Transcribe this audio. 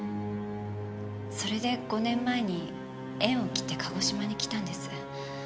それで５年前に縁を切って鹿児島に来たんです。